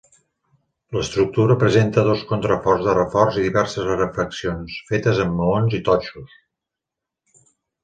L'estructura presenta dos contraforts de reforç i diverses refeccions fetes amb maons i totxos.